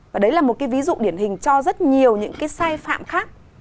và đấy là một cái ví dụ điển hình cho rất nhiều những cái sai phạm khác